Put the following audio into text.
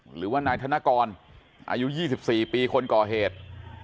หรือว่านายธนกรอายุยี่สิบสี่ปีคนก่อเหตุ